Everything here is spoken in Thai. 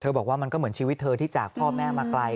บอกว่ามันก็เหมือนชีวิตเธอที่จากพ่อแม่มาไกล